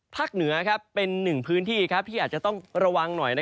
เหนือเป็นหนึ่งพื้นที่ที่อาจจะต้องระวังหน่อย